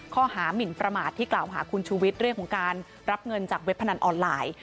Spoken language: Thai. หมินประมาทที่กล่าวหาคุณชูวิทย์เรื่องของการรับเงินจากเว็บพนันออนไลน์